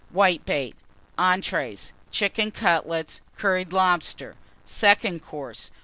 Whitebait. ENTREES. Chicken Cutlets. Curried Lobster. SECOND COURSE.